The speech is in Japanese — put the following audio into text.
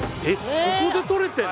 ここでとれてるの？